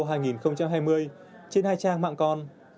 trên hai trang mạng con